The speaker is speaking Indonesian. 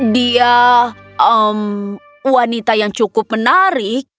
dia wanita yang cukup menarik